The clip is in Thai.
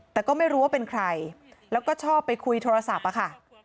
แต่ก็ไม่รู้ว่าเป็นใครแล้วก็ชอบไปคุยโทรศัพท์อะค่ะ